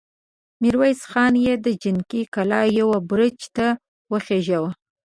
ميرويس خان يې د جنګي کلا يوه برج ته وخېژاوه!